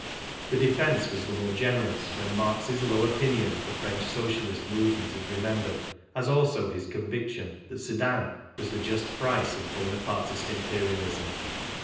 The defence was the more generous when Marx's low opinion of the French Socialist movement is remembered, as also his conviction that Sedan was the just price of Bonapartist imperialism.